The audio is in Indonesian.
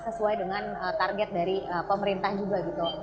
sesuai dengan target dari pemerintah juga gitu